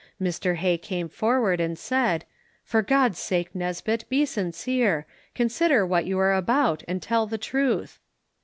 Mr Hay come forward and said, "For God's sake, Nisbett, be sincere; consider what you are about, and tell the truth."